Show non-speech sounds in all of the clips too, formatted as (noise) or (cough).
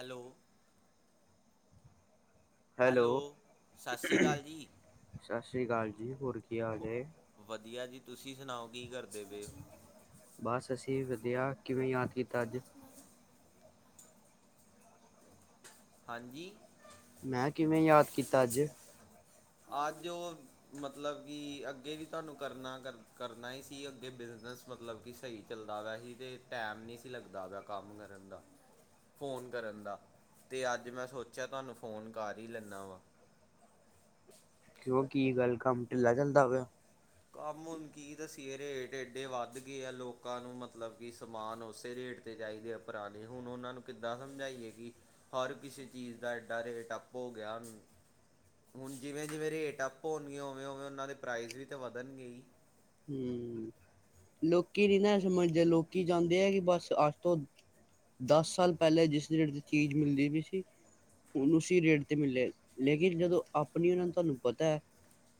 Hello. Hello ਸ਼੍ਰੀ ਸਤਿ ਅਕਾਲ ਜੀ ਸ਼੍ਰੀ ਅਕਾਲ ਜੀ ਹੋਰ ਕੀ ਹਾਲ ਹੋ ਐ? ਵਧੀਆ ਜੀ ਤੁਸੀਂ ਸੁਣਾਓ ਕੀ ਕਰਦੇ ਪਏ ਹੋ? ਬਸ ਅਸੀਂ ਵਧੀਆ, ਕਿਵੇਂ ਯਾਦ ਕੀਤਾ ਅੱਜ? ਹਾਂਜੀ? ਮੈਂ ਕਿਵੇਂ ਯਾਦ ਕੀਤਾ ਅੱਜ? ਆੱਜ ਔ- ਮਤਲਬ ਕਿ ਅੱਗੇ ਵੀ ਤੁਹਾਨੂੰ ਕਰਨਾ ਕਰ ਕਰਨਾ ਹੀ ਸੀ ਅੱਗੇ ਬਿਜ਼ਨਸ ਮਤਲਬ ਕਿ ਸਹੀ ਚੱਲਦਾ ਵੇਆ ਸੀ ਤੇ ਟਾਈਮ ਨਹੀਂ ਸੀ ਲੱਗਦਾ ਵੇਆ ਕੰਮ ਕਰਨ ਦਾ, ਫੋਨ ਕਰਨ ਦਾ। ਤੇ ਅੱਜ ਮੈਂ ਸੋਚਿਆ ਤੁਹਾਨੂੰ ਫੋਨ ਕਰ ਹੀ ਲੈਂਨਾ ਵਾਂ। ਕਿਉਂ ਕੀ ਗੱਲ ਕੰਮ ਢਿੱਲਾ ਚੱਲਦਾ ਪੇਆ? ਕੰਮ ਹੁਣ ਕੀ ਦੱਸੀਏ ਰੇਟ ਏਡੇ ਵੱਧ ਗਏ ਆ ਲੋਕਾਂ ਨੂੰ ਮਤਲਬ ਕਿ ਸਮਾਨ ਉਸੇ ਰੇਟ ਤੇ ਚਾਹੀਦੇ ਆ ਪੁਰਾਣੇ ਹੁਣ ਉਹਨਾਂ ਨੂੰ ਕਿੱਦਾਂ ਸਮਝਾਈਏ ਕਿ ਹਰ ਕਿਸੇ ਚੀਜ਼ ਦਾ ਐਡਾ ਰੇਟ ਅੱਪ ਹੋ ਗਿਆ ਹੁਨ। ਹੁਣ ਜਿਵੇਂ- ਜਿਵੇਂ ਰੇਟ ਅੱਪ ਹੋਣਗੇ ਉਵੇਂ- ਉਵੇਂ ਉਹਨਾਂ ਦੇ ਪ੍ਰਾਈਜ਼ ਵੀ ਤੇ ਵਧਣਗੇ ਹੀ। ਹੂੰ ਲੋਕੀ ਨੀ ਨਾ ਸਮਝ ਦੇ ਲੋਕੀ ਚਾਹੁੰਦੇ ਆ ਕਿ ਬਸ ਅੱਠ ਤੋਂ ਦਸ ਸਾਲ ਪਹਿਲੇ ਜਿਸ ਰੇਟ ਦੀ ਚੀਜ਼ ਮਿਲਦੀ ਵੀ ਸੀ। ਹੁਨ ਉਸੀ ਰੇਟ ਤੇ ਮਿਲੇ ਲੇਕਿਨ ਜਦੋਂ ਆਪਣੀ ਉਹ ਨੂੰ ਤੁਹਾਨੂੰ ਪਤਾ ਹੈ।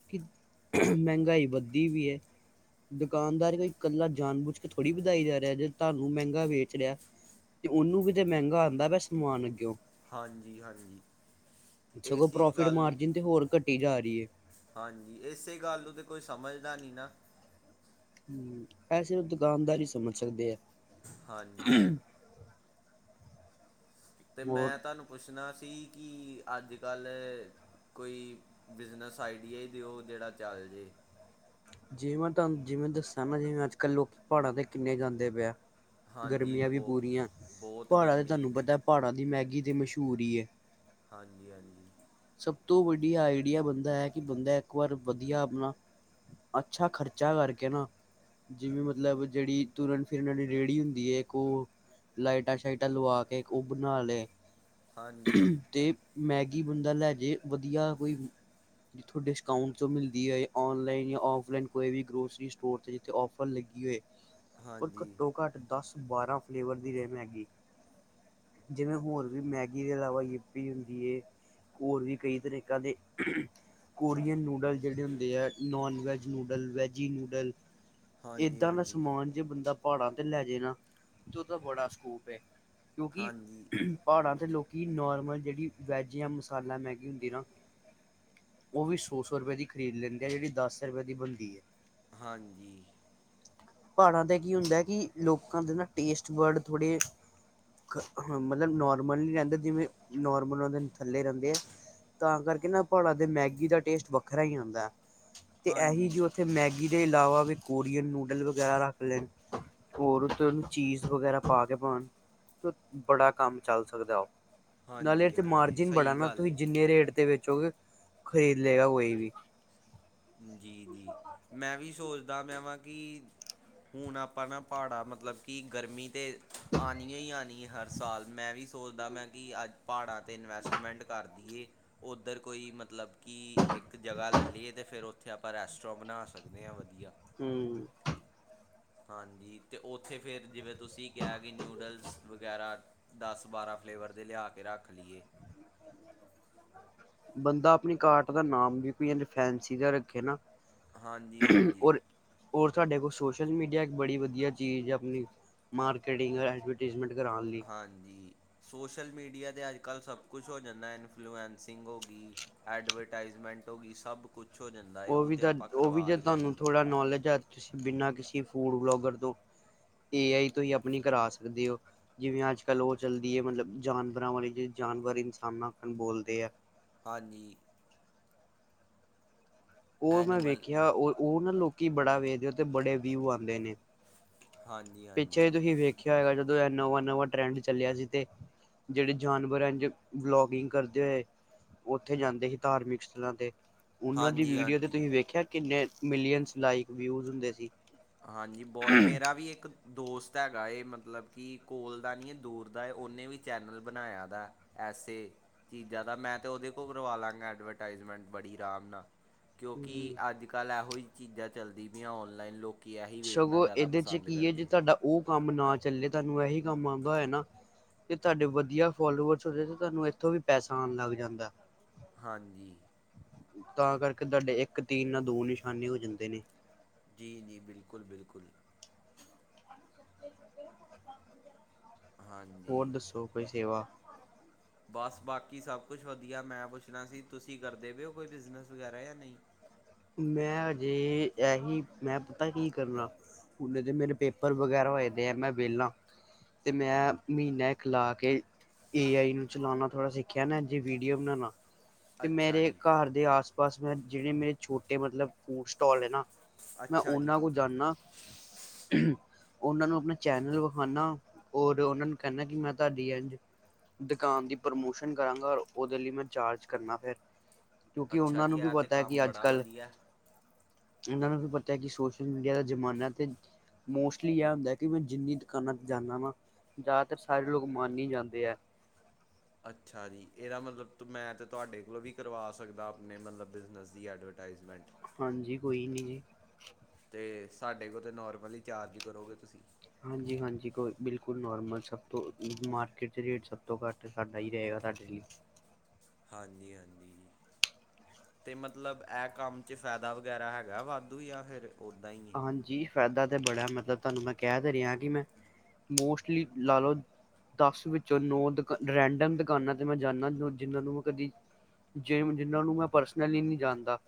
ਕਿ ਮਹਿੰਗਾਈ ਵੱਧਦੀ ਵੀ ਹੈ। ਦੁਕਾਨਦਾਰ ਕੋਈ ਇਕੱਲਾ ਜਾਣ ਬੁਝ ਕੇ ਥੋੜੀ ਵਧਾਈ ਜਾ ਰਿਹਾ ਜੇ ਤੁਹਾਨੂੰ ਮਹਿੰਗਾ ਵੇਚ ਰਿਹਾ ਤੇ ਉਹਨੂੰ ਵੀ ਤਾਂ ਮਹਿੰਗਾ ਆਉਂਦਾ ਵੇਆ ਸਮਾਨ ਅੱਗੇਔ। ਹਾਂਜੀ- ਹਾਂਜੀ। ਸਗੋਂ ਇਸੀ ਦੀ ਪ੍ਰੋਫਿਟ ਗੱਲ ਨੂੰ ਮਾਰਜਿਨ ਤੇ ਹੋਰ ਘੱਟੀ ਜਾ ਰਹੀ ਹੈ। ਹਾਂਜੀ। ਇਸੇ ਗੱਲ ਨੂੰ ਤਾਂ ਕੋਈ ਸਮਝਦਾ ਨਹੀਂ ਨਾ। ਹੂ, ਐਸੇ ਉਹ ਦੁਕਾਨਦਾਰ ਹੀ ਸਮਝ ਸਕਦੇ ਆ। ਹਾਂਜੀ। ਅਤੇ ਮੈਂ ਹੋਰ ਤੁਹਾਨੂੰ ਪੁੱਛਣਾ ਸੀ ਕਿ ਅੱਜ ਕੱਲ੍ਹ ਕੋਈ ਬਿਜ਼ਨਸ ਆਈਡੀਆ ਹੀ ਦਿਓ ਜਿਹੜਾ ਚੱਲ ਜੇ। ਜਿਵੇੈਂ ਤੁਹਾਨੂੰ ਜਿਵੇਂ ਦੱਸਾਂ ਨਾ ਜਿਵੇਂ ਅੱਜ ਕੱਲ੍ਹ ਲੋਕ ਪਹਾੜਾਂ ਤੇ ਕਿੰਨੇ ਜਾਂਦੇ ਪਏ। ਹਾਂਜੀ ਗਰਮੀਆਂ ਵੀ ਬਹੁ ਪੂਰੀਆਂ। ਬਹੁਤ ਪਹਾੜਾਂ ਤੇ ਗਰਮੀ ਹੈ ਤੁਹਾਨੂੰ ਜੀ ਪਤਾ ਪਹਾੜਾਂ ਦੀ ਮੈਗੀ ਤੇ ਮਸ਼ਹੂਰ ਹੀ ਹੈ। ਹਾਂਜੀ- ਹਾਂਜੀ। ਸਭ ਤੋਂ ਵੱਡੀ ਆਈਡੀਆ ਬੰਦਾ ਹੈ ਕਿ ਬੰਦਾ ਇੱਕ ਵਾਰ ਵਧੀਆ ਆਪਣਾ ਅੱਛਾ ਖ਼ਰਚਾ ਕਰਕੇ ਨਾ ਜਿਵੇਂ ਮਤਲਬ ਜਿਹੜੀ ਤੁਰਨ ਫਿਰਣ ਇਹਨਾਂ ਦੀ ਰੇਹੜੀ ਹੁੰਦੀ ਹੈ ਇੱਕ ਉਹ। ਲਾਈਟਾਂ- ਸ਼ਾਈਟਾਂ ਲਵਾ ਕੇ ਉਹ ਬਣਾ ਲਏ ਹਾਂਜੀ ਤੇ ਮੈਗੀ ਬੰਦਾ ਲੈ ਜੇ ਵਧੀਆ ਕੋਈ। ਜਿੱਥੋਂ ਡਿਸਕਾਊਂਟਚ ਮਿਲਦੀ ਹੈ ਔਨਲਾਈਨ ਜਾਂ ਔਫਲਾਈਨ ਕੋਈ ਵੀ ਗਰੋਸਰੀ ਸਟੋਰ ' ਜਿੱਥੇ ਔਫ ਲ ਲੱਗੀ ਹੋਏ ਹਾਂਜੀ ਘੱਟੋ- ਘੱਟ, ਦਸ -ਬਾਰਾਂ ਫਲੇਵਰ ਦੀ ਰਹੇ ਮੈਗੀ। ਜਿਵੇਂ ਹੋਰ ਵੀ ਮੈਗੀ ਦੇ ਇਲਾਵਾ ਯਪੀ ਹੁੰਦੀ ਹੈ। ਹੋਰ ਵੀ ਕਈ ਤਰੀਕਾ ਦੇ, ਕੋਰੀਅਨ ਨ ਜਿਹੜੇ ਹੁੰਦੇ ਆ non veg noodle, veggie noodle ਹਾਂਜੀ ਏਦਾਂ ਦਾ ਹਾਂਜੀ ਸਮਾਨ ਜੇ ਬੰਦਾ ਪਹਾੜਾਂ 'ਤੇ ਲੈ ਜਾਣਾ, ਤਾਂ ਉਹਦਾ ਬੜਾ ਸਕੋਪ ਹੈ ਕਿਉਂਕਿ ਹਾਂਜੀ ਪਹਾੜਾਂ ਦੇ ਲੋਕਾਂ ਨੋਰਮਲ ਜਹੜੀ ਵੈੱਜ ਜਾਂ ਮਸਾਲਾ ਮੈਗੀ ਹੁੰਦੀ ਨਾ ਉਹ ਵੀ ਸੋ- ਸੋ ਰੁਪਏ ਦੀ ਖਰੀਦ ਲੈਂਦੇ ਆ ਜਿਹੜੀ ਦਸ ਰੁਪਏ ਦੀ ਬਣਦੀ ਹੈ। ਹਾਂਜੀ। ਪਹਾੜਾਂ ਤੇ ਕੀ ਹੁੰਦਾ ਕਿ ਲੋਕਾਂ ਦੇ ਨਾ ਟੇਸਟ ਵਰਡ ਥੋੜ੍ਹੇ ਹ ਮਤਲਬ ਨੋਰਮਲ ਹੀ ਰਹਿੰਦਾ ਜਿਵੇਂ, ਨੋਰਮਲ ਉਹਦੇ ਥੱਲੇ ਰਹਿੰਦੇ ਆ। ਤਾਂ ਕਰਕੇ ਨਾ ਪਹਾੜਾਂ ਦੇ ਮੈਗੀ ਦਾ ਟੇਸਟ ਵੱਖਰਾ ਹੀ ਆਉਂਦਾ ਹੈ। ਤੇ ਇਹੀ ਜੀ ਹਾਂਜੀ ਉਥੇ ਅਤੇ ਮੈਗੀ ਦੇ ਇਲਾਵਾ ਵੀ ਕੋਰੀਅਨ ਨੂਡਲ ਵਗੈਰਾ ਰੱਖ ਲੈਣ। ਹੋਰ ਚੀਸ਼ ਵਗੈਰਾ ਪਾ ਕੇ ਪਾਉਣ ਤੇ ਬੜਾ ਕੰਮ ਚੱਲ ਸਕਦਾ ਉਹ। ਨਾਲੇ ਹਾਂਜੀ ਇਥੇ -ਹਾਂਜੀ। ਮਾਰਜਿਨ ਬੜਾ ਸਹੀ ਨਾ ਗੱਲ ਤੁਸੀਂ ਏ ਜਿੰਨੇ ਰੇਟ ਤੇ ਵੇਚੋਗੇ, ਖਰੀਦ ਲਏਗਾ ਕੋਈ ਵੀ। ਜੀ- ਜੀ, ਮੈਂ ਵੀ ਸੋਚਦਾ ਮੈਂ ਵਾਂ ਕਿ ਹੁਣ ਆਪਾਂ ਨਾ ਪਹਾੜਾਂ ਮਤਲਬ ਕਿ ਗਰਮੀ ਤਾਂ ਆਉਣੀਆਂ ਹੀ ਆਉਣੀ ਹਰ ਸਾਲ ਮੈਂ ਵੀ ਸੋਚਦਾ ਮੈਂ ਕਿ ਅੱਜ ਪਹਾੜਾਂ 'ਤੇ ਇਨਵੈਸਟਮੈਂਟ ਕਰਦੀਏ। ਉੱਧਰ ਕੋਈ ਮਤਲਬ ਕਿ ਇੱਕ ਜਗ੍ਹਾ ਲੈ ਲਈਏ ਤਾਂ ਫਿਰ ਉੱਥੇ ਆਪਾਂ ਰੈਸਟੋਾਂ ਬਣਾ ਸਕਦੇ ਹਾਂ ਵਧੀਆ। ਹੂ ਹਾਂਜੀ। ਅਤੇ ਉੱਥੇ ਫਿਰ ਜਿਵੇਂ ਤੁਸੀਂ ਕਿਹਾ ਕਿ ਨਿਊਡਲਸ ਵਗੈਰਾ ਦਸ -ਬਾਰਾਂ ਫਲੇਵਰ ਦੇ ਲਿਆ ਕੇ ਰੱਖ ਲਈਏ। ਬੰਦਾ ਆਪਣੀ ਕਾਰਟ ਦਾ ਨਾਮ ਵੀ ਕੋਈ ਫਸੀ ਰੱਖੇ ਨਾ। ਹਾਂਜੀ ਹਾਂਜੀ ਹੋ ਹੋਰ ਸਾਡੇ ਕੋਲ ਸੋਸ਼ਲ ਮੀਡੀਆ ਇੱਕ ਬੜੀ ਵਧੀਆ ਚੀਜ਼ ਆਪਣੀ ਮਾਰਕੀਟਿੰਗ। ਪਲੈਸਮੈਂਟ ਕਰਣਾ ਲੀ। ਹਾਂਜੀ। ਸੋਸ਼ਲ ਮੀਡੀਆ 'ਤੇ ਅੱਜ ਕੱਲ੍ਹ ਸਭ ਕੁਛ ਹੋ ਜਾਂਦਾ ਇਨਫਲੂਐਂਸਿੰਗ ਹੋ ਗਈ। ਐਡਵਰਟਾਈਜ਼ਮੈਂਟ ਹੋ ਗਈ ਸਭ ਕੁੱਛ ਹੋ ਜਾਂਦਾ। ਹੈ ਉਹ ਵੀ ਤਾਂ ਆਪਾਂ ਉਹ ਵੀ ਕਰਵਾ ਜੇ ਹੀ ਤੁਹਾਨੂੰ ਲੈਣੀ ਹੈ ਥੋੜਾ ਨੋਲੇਜ ਆ ਤੁਸੀਂ ਬਿਨਾਂ ਕਿਸੇ ਫੂਡ ਬਲੋਗਰ ਤੋਂ ਏ ਆਈ ਤੁਸੀਂ ਆਪਣੀ ਕਰਾ ਸਕਦੇ ਹੋ। ਜਿਵੇਂ ਅੱਜ ਕੱਲ ਉਹ ਚੱਲਦੀ ਹੈ ਮਤਲਬ ਜਾਨਵਰਾਂ ਵਾਲੇ ਜੇ ਜਾਨਵਰ ਇਨਸਾਨਾ ਅਖਣ ਬੋਲਦੇ ਹੈ। ਹਾਂਜੀ। ਉਹ ਮੈਂ ਐਨੀਮਲ ਵੇਖਿਆ, ਉਹ- ਉਹ ਨਾ ਲੋਕੀ ਬੜਾ ਵੇਖਦੇ ਹੈ ਤੇ ਬੜੇ ਵਿਊ ਆਉਂਦੇ ਨੇ। ਹਾਂਜੀ ਪਿੱਛੇ ਹਾਂਜੀ ਹੀ ਤੁਸੀਂ ਵੇਖਿਆ ਹੋਗਾ ਜਦੋਂ ਇਹ ਨਵਾਂ- ਨਵਾਂ ਟਰੈਂਡ ਚੱਲਿਆ ਸੀ ਤੇ ਜਿਹੜੇ ਜਾਨਵਰ ਹੈ ਬਲੋਗਿੰਗ ਕਰਦੇ ਹੋਏ। ਉੱਥੇ ਜਾਂਦੇ ਸੀ ਧਾਰਮਿਕ ਸਥਲਾਂ ਤੇ ਉਹਨਾਂ ਦੀ ਹਾਂਜੀ ਵੀੜ- ਹਾਂਜੀ ਵੇਖਿਆ ਕਿੰਨੇ ਮਿਲੀਅਨ ਲਾਇਕ ਵਿਊਜ ਹੁੰਦੇ ਸੀ। ਹਾਂਜੀ ਬਹੁਤ, ਮੇਰਾ ਵੀ ਇੱਕ- ਦੋਸਤ ਹੈਗਾ ਹੈ। ਮਤਲਬ ਕਿ ਕੋਲ ਦਾ ਨਹੀਂ ਹੈ, ਦੂਰ ਦਾ ਉਹਨੇ ਵੀ ਚੈਨਲ ਬਣਾਇਆ ਦਾ। ਐਸੇ ਚੀਜ਼ਾਂ ਦਾ, ਮੈਂ ਤਾਂ ਉਹਦੇ ਕੋਲ ਕਰਵਾ ਲਾਂਗਾ ਐਡਵਰਟਾਈਜ਼ਮੈਂਟ ਬੜੀ ਆਰਾਮ ਨਾਲ। ਕਿਉਂਕਿ, ਅੱਜ ਕੱਲ ਇਹੋ ਜਿ ਚੀਜ਼ਾਂ ਚੱਲਦੀ ਪਿਆਂ ਔਨਲਾਈਨ ਲੋਕ ਕਿ ਆਹੀ ਵੇਖਣਾ ਸਗੋਂ ਜ਼ਿਆਦਾ ਇਹਦੇ ਚ ਪਸੰਦ ਕੀ ਹੈ ਜੇ ਕਰਦੇ ਆ। ਤੁਹਾਡਾ ਉਹ ਕੰਮ ਨਾ ਚੱਲੇ, ਤੁਹਾਨੂੰ ਇਹੀ ਕੰਮ ਆਉਂਦਾ ਹੋਏ ਨਾ ਤੇ ਤੁਹਾਡੇ ਵਧੀਆ ਫੋਲੋਵਰਸ ਦੇ ਤੁਹਾਨੂੰ ਇੱਥੋਂ ਵੀ ਪੈਸਾ ਆਉਣ ਲੱਗ ਜਾਂਦਾ। ਹਾਂਜੀ। ਤਾਂ ਕਰਕੇ ਤੁਹਾਡੇ ਇੱਕ ਤੀਨ ਨਾਲ ਦੋ ਨਿਸ਼ਾਨੇ ਹੋ ਜਾਂਦੇ ਨੇ। ਜੀ- ਜੀ, ਬਿਲਕੁਲ- ਬਿਲਕੁਲ। ਹੋਰ ਹਾਂਜੀ ਦੱਸੋ ਕੋਈ ਸੇਵਾ? ਬਸ ਬਾਕੀ ਸਭ ਕੁਛ ਵਧੀਆ ਮੈਂ ਪੁੱਛਣਾ ਸੀ ਤੁਸੀਂ ਕਰਦੇ ਪਏ ਹੋ ਕੋਈ ਬਿਜ਼ਨਸ ਵਗੈਰਾ ਯਾ ਨਹੀਂ। ਮੈਂ ਅਜੇ ਐਹੀ ਮੈਂ ਪਤਾ ਕੀ ਕਰਨਾ ਹੁਨ ਦੇ ਮੇਰੇ ਪੇਪਰ ਵਗੈਰਾ ਹੋਏ ਪਏ ਆ ਮੈਂ ਵਿਹਲਾ। ਤੇ ਮੈਂ ਮਹੀਨਾ ਇੱਕ ਲਾ ਕੇ ਏ ਆਈ ਨੂੰ ਚਲਾਉਣਾ ਥੋੜਾ ਸਿੱਖਿਆ ਨਾ, ਇਂਝ ਵੀਡੀਓ ਬਣਾਉਵਾ। ਤੇ ਅੱਛਾ ਮੇਰੇ ਜੀ ਘਰ ਦੇ ਆਸ- ਪਾਸ ਜਿਹੜੇ ਮੇਰੇ ਛੋਟੇ ਮਤਲਬ ਫੂਡ ਸਟਾਲ ਨੇ ਨਾ ਮੈਂ ਅੱਛਾ ਜੀ ਓਨਾਂ ਕੋ ਜਾਂਨਾ ਉਹਨਾਂ ਨੂੰ ਆਪਣਾ ਚੈਨਲ ਵਿਖਾਉਣਾ, ਔਰ ਉਹਨਾਂ ਨੂੰ ਕਹਿਣਾ ਕਿ ਮੈਂ ਤੁਹਾਡੀ ਇ ਦੁਕਾਨ ਦੀ ਪ੍ਰਮੋਸ਼ਨ ਕਰਾਂਗਾ ਰ ਉਹਦੇ ਲਈ ਮੈਂ ਚਾਰਜ ਕਰਨਾ ਫੇਰ ਕਿਉਂਕਿ, ਅੱਛਾ ਉਹਨਾਂ ਜੀ ਨੂੰ ਵੀ ਇਹ ਤੇ ਪਤਾ ਹੈ ਕੰਮ ਕਿ ਅੱਜ ਬੜਾ ਵਧੀਆ ਇਹਨਾਂ ਨੂੰ ਵੀ ਪਤਾ ਕਿ ਸੋਸ਼ਲ ਮੀਡੀਆ ਦਾ ਜ਼ਮਾਨਾ ਤੇ ਮੋਸਟਲੀ ਇਹ ਹੁੰਦਾ ਕਿ ਮੈਂ ਜਿੰਨੀ ਦੁਕਾਨਾਂ ਤੇ ਜਾਂਨਾ ਵਾ ਜ਼ਿਆਦਾਤਰ ਸਾਰੇ ਲੋਕ ਮਨ ਹੀ ਜਾਂਦੇ ਹੈ। ਅੱਛਾ ਜੀ ਇਹਦਾ ਮਤਲਬ ਮੈਂ ਤਾਂ ਤੁਹਾਡੇ ਕੋਲੋਂ ਵੀ ਕਰਵਾ ਸਕਦਾ ਆਪਣੇ ਮਤਲਬ ਬਿਜ਼ਨਸ ਦੀ ਐਡਵਰਟਾਈਜ਼ਮੈਂਟ। ਹਾਂਜੀ ਕੋਈ ਨਹੀਂ ਜੀ। ਤੇ ਸਾਡੇ ਕੋਲ ਤਾਂ ਨੋਰਮਲੀ ਈ ਚਾਰਜ ਕਰੋਗੇ ਤੁਸੀਂ। ਹਾਂਜੀ- ਹਾਂਜੀ ਕੋ ਬਿਲਕੁਲ ਨੋਰਮਲ ਸਭ ਤੋਂ ਮਾਰਕੀਟ 'ਚ ਰੇਟ ਸਭ ਤੋਂ ਘੱਟ। ਸਾਡਾ ਹੀ ਰਹੇਗਾ ਤਾਡੇ ਲਈ। ਹਾਂਜੀ- ਹਾਂਜੀ। ਤੇ ਮਤਲਬ ਇਹ ਕੰਮ ਚ ਫਾਇਦਾ ਵਗੈਰਾ ਹੈਗਾ ਵਾਧੂ ਯਾ ਫੇਰ ਉਦਾਂ ਹੀ। ਹੈ? ਹਾਂਜੀ ਫਾਇਦਾ ਤਾਂ ਬੜਾ ਮਤਲਬ ਤੁਹਾਨੂੰ ਮੈਂ ਕਹਿ ਦੇ ਰਿਹਾ ਕਿ ਮੈਂ ਮੋਸਟਲੀ ਲਾ ਲਓ ਦਸ ਵਿੱਚੋਂ ਨੌ ਦੁਕ ਰੈਂਡਮ ਦੁਕਾਨਾਂ ਤੇ ਮੈਂ ਜਾਂਦਾ ਜਿਹਨਾਂ ਨੂੰ ਮੈਂ ਕਦੀ ਜਿਵੇਂ ਜਿਨਾਂ ਨੂੰ ਮੈਂ ਪਰਸਨਲੀ ਨਹੀਂ ਜਾਣਦਾ।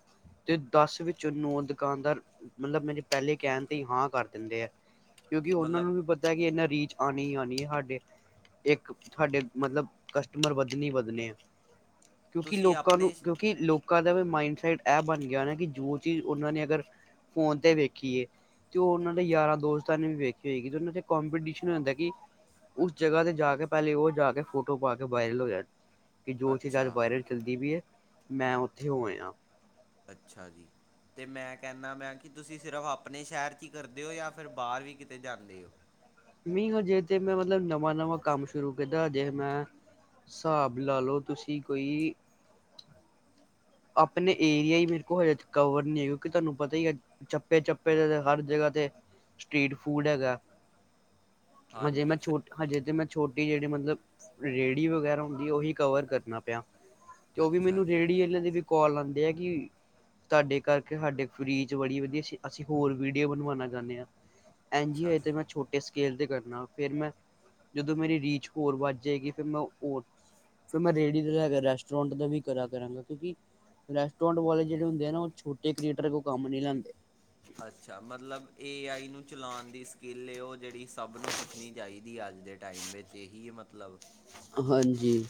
ਤੇ ਦਸ ਵਿੱਚ ਨੌ ਦੁਕਾਨਦਾਰ ਮਤਲਬ, ਮੇਰੇ ਪਹਿਲੇ ਕਹਿਣ ਤੇ ਹਾਂ ਕਰ ਦਿੰਦੇ ਆ। ਕਿਉਂਕਿ ਉਹਨਾਂ ਮਤਲਬ ਨੂੰ ਵੀ ਦ ਕਿ ਇਨਾ ਰੀਚ ਆਉਣੀ- ਆਉਣੀ ਹੈ। ਸਾਡੇ ਇੱਕ ਤੁਹਾਡੇ ਮਤਲਬ ਕਸਟਮਰ ਵੱਧਣੇ- ਵੱਧਣੇ ਆ। ਕਿਉਂਕਿ, ਤੁਸੀਂ ਲੋਕਾਂ ਨੂੰ ਆਪਣੇ ਕਿਉਂਕਿ ਲੋਕਾਂ ਦਾ ਵੀ ਮਾਇੰਡਸੈਟ ਇਹ ਬਣ ਗਿਆ ਨਾ ਕਿ ਜੋ ਚੀਜ਼ ਉਹਨਾਂ ਨੇ ਅਗਰ ਫੋਨ ਤੇ ਵੇਖੀਏ। ਤੇ ਉਹ ਉਹਨਾਂ ਦੇ ਯਾਰਾਂ- ਦੋਸਤਾਂ ਨੇ ਵੀ ਵੇਖੀ ਹੋਏ ਉਹਨਾਂ ਕਂਪੀਟੀਸ਼ਨ ਹੁੰਦਾ ਕਿ ਉਸ ਜਗ੍ਹਾ ਤੇ ਜਾ ਕੇ ਪਹਿਲੇ ਉਹ ਜਾ ਕੇ ਫੋਟੋ ਪਾ ਕੇ ਵਾਇਰਲ ਹੋ ਜਾਂ ਕਿ ਜੋ ਚੀਜ਼ ਅੱਜ ਅੱਛਾ ਵਾਇਰਲ ਚੱਲਦੀ ਵੀ ਹੈ, ਮੈਂ ਉੱਥੇ ਹੋਏ ਹ ਅੱਛਾ ਜੀ। ਅਤੇ ਮੈਂ ਕਹਿੰਦਾ ਮੈਂ ਕਿ ਤੁਸੀਂ ਸਿਰਫ ਆਪਣੇ ਸ਼ਹਿਰ 'ਚ ਹੀ ਕਰਦੇ ਹੋ ਜਾਂ ਫਿਰ ਬਾਹਰ ਵੀ ਕਿਤੇ ਜਾਂਦੇ ਹੋ। ਮੀ ਹਜੇ ਤੇ ਮੈਂ ਮਤਲਬ ਨਵਾਂ -ਨਵਾਂ ਕੰਮ ਸ਼ੁਰੂ ਕੀਤਾ। ਹਜੇ ਮੈਂ ਹਿਸਾਬ ਲਾ ਲਓ ਤੁਸੀਂ ਕੋਈ ਆਪਣੇ ਏਰੀਆ ਹੀ ਮੇਰੇ ਕੋਲ ਹਜੇ ਕਵਰ ਨ ਹੈ, ਕਿਉਂਕਿ ਤੁਹਾਨੂੰ ਪਤਾ ਹੀ ਹੈ ਚੱਪੇ- ਚੱਪੇ ਤੇ ਹਰ ਜਗ੍ਹਾ ਤੇ, ਸਟ੍ਰਰੀਟ ਫੂਡ ਹੈਗਾ। ਮ ਜੇ ਹਾਂਜੀ ਮੈਂ ਫਿਰ ਛੋਟ ਹਜੇ ਤੇ ਮੈਂ ਛੋਟੀ ਜਿਹੜੀ ਮਤਲਬ, ਰੇਹੜੀ ਵਗੈਰਾ ਹੁੰਦੀ ਉਹੀ ਕਵਰ ਕਰਨਾ ਪਿਆ। ਤੇ ਉਹ ਵੀ ਅੱਛਾ ਮੈਨੂੰ ਜੀ ਰੇਹੜੀ ਇਹਨਾਂ ਦੇ ਵੀ ਕੋਾਲ ਆਉਂਦੇ ਆ ਕਿ ਤੁਹਾਡੇ ਕਰਕੇ ਸਾਡੇ ਫਰੀਜ਼ ਬੜੀ ਵਧੀਆ ਅਸੀਂ ਹੋਰ ਵੀਡੀਓ ਬਣਵਾਉਣਾ ਚਾਹੁੰਦੇ ਹਾਂ। ਐਨ ਜੀ ਏ ਮੈਂ ਛਟ ਸਕੇਲ ਤੇ ਕਰਨਾ, ਫਿਰ ਮੈਂ ਜਦੋਂ ਮੇਰੀ ਰੀਚ ਹੋਰ ਵੱਧ ਜਾਵੇਗੀ ਫਿਰ ਮੈਂ ਹੋ ਫਿਰ ਮੈਂ ਰੇੜਡੀ ਦਾ ਲ ਰੈਸਟੋਰੈਂਟ ਦਾ ਵੀ ਕਰਾ ਕਰਾਂਗਾ ਕਿਉਂਕਿ ਰੈਸਟੋੈਂਟ ਵਾਲੇ ਜਿਹੜੇ ਹੁੰਦੇ ਆ ਨਾ ਉਹ ਛੋਟੇ ਕੀਟਰਰ ਕੋ ਕੰਮ ਨਹੀਂ ਲੈਂਦੇ। ਅੱਛਾ। ਮਤਲਬ ਏ ਆਈ ਨੂੰ ਚਲਾਉਣ ਦੀ ਸਕਿੱਲ ਉਹ ਜਿਹੜੀ ਸਭ ਨੂੰ ਸਿੱਖ ਰੱਖਣੀ ਚਾਹੀਦੀ ਅੱਜ ਦੇ ਟਾਈਮ ਵਿੱਚ ਇਹਹੀ ਮਤਲਬ ਹਾਂਜੀ।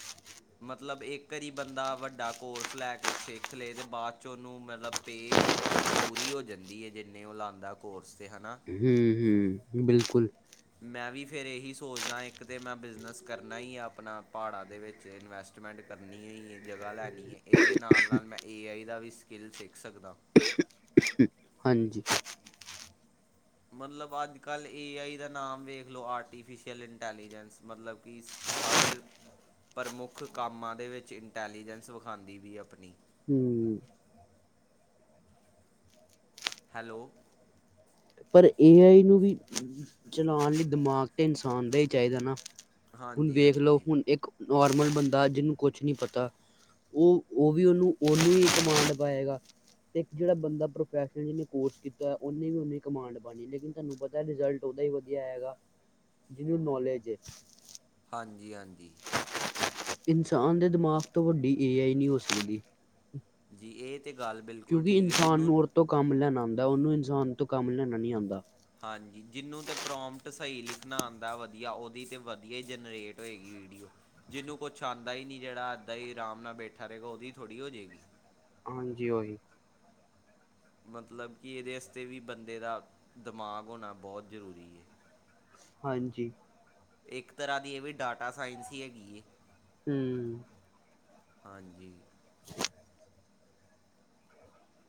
ਮਤਲਬ ਇੱਕ ਵਾਰੀ ਬੰਦਾ ਵੱਡਾ ਕੋਰਸ ਲੈ ਕੇ ਸਿੱਖ ਲਏ ਅਤੇ ਬਾਅਦ 'ਚ ਉਹਨੂੰ ਮਤਲਬ ਪੇ ਉਹਦੀ ਪੂਰੀ ਹੋ ਜਾਂਦੀ ਹੈ ਜਿੰਨੇ ਉਹ ਲਾਉਂਦਾ ਕੋਰਸ ਤੇ ਹੈਨਾ। ਹੂ- ਹੂ, ਬਿਲਕੁਲ ਮੈਂ ਵੀ ਫਿਰ ਇਹੀ ਸੋਚਦਾ ਇੱਕ ਤਾਂ ਮੈਂ ਬਿਜਨਸ ਕਰਨਾ ਹੀ ਆਪਣਾ ਪਹਾੜਾਂ ਦੇ ਵਿੱਚ ਇਨਵੈਸਟਮੈਂਟ ਕਰਨੀ ਹੋਈ ਹੈ ਜਗ੍ਹਾ ਲੈਣੀ ਹੈ, ਇਹਦੇ ਨਾਲ- ਨਾਲ ਮੈਂ ਏ ਆਈ ਦਾ ਵੀ ਸਕਿੱਲ ਸਿੱਖ ਸਕਦਾ। ਹਾਂਜੀ। ਮਤਲਬ ਅੱਜ ਕੱਲ ਏ ਆਈ ਦਾ ਨਾਮ ਵੇਖ ਲਓ ਆਰਟੀਫਿਸ਼ਲ ਇੰਟੈਲੀਜੈਂਸ ਮਤਲਬ ਕਿ ਹਰ, ਪ੍ਰਮੁੱਖ ਕੰਮਾਂ ਦੇ ਵਿੱਚ ਇੰਟੈਲੀਜੈਂਸ ਵਿਖਾਉਂਦੀ ਵੀ ਆਪਣੀ। ਹੂ ਹੈਲੋ, ਪਰ ਏ ਆਈ ਨੂੰ ਵੀ, ਚਲਾਉਣ ਲਈ ਦਿਮਾਗ ਅਤੇ ਇਨਸਾਨ ਦਾ ਹੀ ਚਾਹੀਦਾ ਨਾ। ਹੁਣ ਹਾਂਜੀ ਵੇਖ ਲਓ ਹਾਂਜੀ ਹੁਣ ਇੱਕ ਨੋਰਮਲ ਬੰਦਾ ਜਿਹਨੂੰ ਕੁਛ ਨਹੀਂ ਪਤਾ। ਉਹ- ਉਹ ਵੀ ਉਹਨੂੰ- ਉਹਨੂੰ ਹੀ ਕਮਾਂਡ ਪਏਗਾ। ਤੇ ਇੱਕ ਜਿਹੜਾ ਬੰਦਾ ਪ੍ਰੋਫੈਸ਼ਨਲ ਜਿਹਨੇ ਕੋਰਸ ਕੀਤਾ ਉਹਨੇ ਵੀ ਉਹਨੇ ਕਮਾਂਡ ਪਾਣੀ ਲੇਕਿਨ ਤੁਹਾਨੂੰ ਪਤਾ ਰਿਜਲਟ ਉਦਾ ਹੀ ਵਧੀਆ ਹੈਗਾ। ਜਿਹਨੂੰ ਨੌਲੇਜ ਹੈ। ਹਾਂਜੀ- ਹਾਂਜੀ। ਇਨਸਾਨ ਦੇ ਦਿਮਾਗ ਤੋਂ ਵੱਡੀ ਏ ਆਈ ਨਹੀਂ ਹੋ ਸਕਦੀ। ਜੀ ਇਹ ਤਾਂ ਗੱਲ ਬਿਲਕੁਲ ਕਿਉਂਕਿ ਠੀਕ ਹੈ ਇਨਸਾਨ ਜਿਹਨੂੰ ਨੂੰ ਉਹ ਤੋਂ ਕੰਮ ਲੈਣਾ ਆਉਂਦਾ ਉਹਨੂੰ ਇਨਸਾਨ ਤੋਂ ਕੰਮ ਲੈਣਾ ਨੀ ਆਉਂਦਾ। ਹਾਂਜੀ ਜਿਨੂੰ ਤੇ ਪ੍ਰੋਮਟ ਸਈ ਲਿਖਣਾ ਆਂਦਾ ਵਧੀਆ ਓਦੀ ਤੇ ਵਧੀਆ ਈ ਜਨਰੇਟ ਹੋਏਗੀ ਵੀਡੀਓ। ਜਿਨੂੰ ਕੁਛ ਆਂਦਾ ਈ ਨੀ ਜੜਾ ਇਦਾਂ ਈ ਅਰਾਮ ਨਾਲ ਬੈਠਾ ਰਏਗਾ ਓਦੀ ਥੋੜੀ ਹੋ ਜੇਗੀ। ਹਾਂਜੀ ਓਹੀ। ਮਤਲਬ ਕਿ ਏਦੇ ਅਸਤੇ ਵੀ ਬੰਦੇ ਦਾ ਦਮਾਗ ਹੋਣਾ ਬੋਹੋਤ ਜ਼ਰੂਰੀ ਏ। ਹਾਂਜੀ। ਏੱਕ ਤਰ੍ਹਾਂ ਦੀ ਏ ਵੀ ਡਾਟਾ ਸਾਈਂਸ ਈ ਹੈਗੀ ਏ। ਹੂੰ। ਹਾਂਜੀ।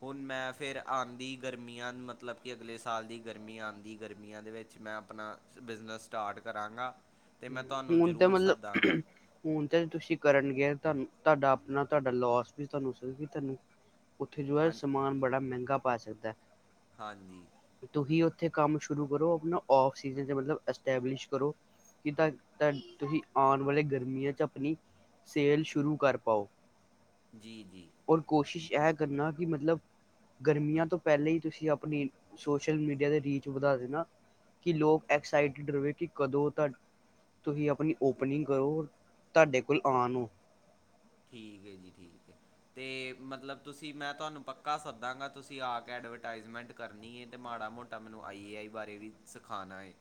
ਹੁਣ ਮੈਂ ਫੇਰ ਆਂਦੀ ਗਰਮੀਆਂ ਮਤਲਬ ਕਿ ਅਗਲੇ ਸਾਲ ਦੀ ਗਰਮੀ ਆਂਦੀ ਗਰਮੀਆਂ ਦੇ ਵਿੱਚ ਮੈਂ ਆਪਣਾ ਬਿਜਨਸ ਸਟਾਰਟ ਕਰਾਂਗਾ ਤੇ ਮੈਂ ਤੁਆਨੂੰ ਹੁਣ ਤੇ ਜਰੂਰ ਸੱਦਾਂਗਾ। ਮਤਲਬ ਹੁਣ ਤੇ ਨੀ ਤੁਸੀ ਕਰਨਗੇ ਤੁਆਨੂੰ ਤਾਡਾ ਆਪਣਾ ਤਾਡਾ ਲੋਸ ਵੀ ਤਾਨੂੰ (unintelligible) ਤਾਨੂੰ ਓਥੇ ਜੋ ਐ ਹਾਂ ਸਮਾਨ ਬੜਾ ਮੈਂਗਾ ਪਾ ਸਕਦੈ। ਹਾਂਜੀ। ਤੇ ਤੁਹੀ ਓਥੇ ਕੰਮ ਸ਼ੁਰੂ ਕਰੋ ਆਪਨਾ ਓਫ ਸੀਜ਼ਨ 'ਚ ਮਤਲਬ ਐੱਸਟੈਬਲਿਸ਼ ਕਰੋ। ਕਿ ਤਦ ਤੰਨ ਤੁਹੀ ਆਣ ਵਾਲੇ ਗਰਮੀਆਂ 'ਚ ਆਪਨੀ ਸੇਲ ਸ਼ੁਰੂ ਕਰ ਪਾਓ। ਜੀ, ਜੀ। ਹੂਨ ਕੋਸ਼ਿਸ਼ ਐਹ ਕਰਨਾ ਕਿ ਮਤਲਬ ਗਰਮੀਆਂ ਤੋਂ ਪੈਲੇ ਈ ਤੁਸੀ ਆਪਣੀ ਸੋਸ਼ਲ ਮੀਡੀਆ ਦੇ ਰੀਚ ਵਧਾ ਦੇਨਾ ਕਿ ਲੋਕ ਐਕਸਾਈਟਿਡ ਰਵੇ ਕਿ ਕਦੋਂ ਤਾਡ ਤੁਹੀ ਆਪਣੀ ਓਪਨਿੰਗ ਕਰੋ, ਤਾਡੇ ਕੋਲ ਆਨ ਓ। ਠੀਕ ਐ ਜੀ, ਠੀਕ ਐ। ਤੇ ਮਤਲਬ ਤੁਸੀ ਮੈਂ ਤੁਆਨੂੰ ਪੱਕਾ ਸੱਦਾਂਗਾ, ਤੁਸੀ ਆ ਕੇ ਐਡਵਰਟਾਈਜ਼ਮੈਂਟ ਕਰਨੀ ਏ ਤੇ ਮਾੜਾ-ਮੋਟਾ ਮੇਨੂੰ ਆਈ ਏ ਆਈ ਬਾਰੇ ਵੀ ਸਿਖਾਣਾ ਏ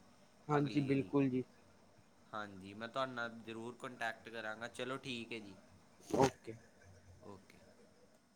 ਹਾਂਜੀ ਅਗਲੀ ਅਰੀ। ਬਿਲਕੁਲ ਜੀ ਹਾਂਜੀ, ਮੈਂ ਤੁਆਡੇ ਨਾਲ ਜਰੂਰ ਕੋਂਟੈਕਟ ਕਰਾਂਗਾ। ਚਲੋ, ਠੀਕ ਐ ਜੀ। ਓਕੇ। ਓਕੇ।